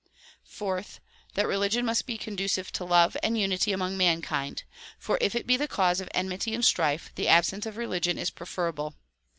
Fourth; that religion must be conducive to love and unity among mankind; for if it be the cause of enmity and strife the absence of religion is preferable.